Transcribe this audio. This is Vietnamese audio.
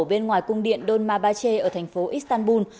bên ngoài cung điện don mabache ở thành phố istanbul